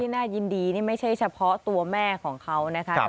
น่ายินดีนี่ไม่ใช่เฉพาะตัวแม่ของเขานะคะ